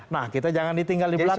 nah kita jangan ditinggal di belakang